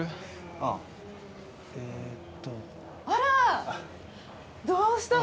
ああえーっとあらどうしたの？